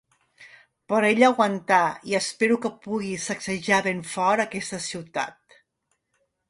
Però ella aguanta i espero que pugui sacsejar ben fort aquesta ciutat.